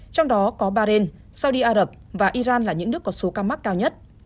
trong đó có bahrain saudi arabia và iran là những nước có số ca mắc cao nhất